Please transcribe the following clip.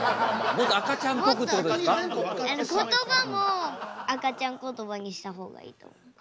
もっとことばも赤ちゃんことばにした方がいいと思った。